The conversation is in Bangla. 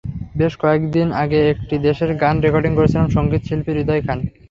বেশ কয়েক দিন আগে একটি দেশের গান রেকর্ডিং করেছিলেন সংগীতশিল্পী হৃদয় খান।